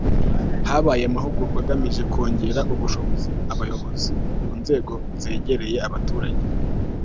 habaye amahugurwa agamije kongera ubushobozi abayobozi mu nzego zegereye abaturage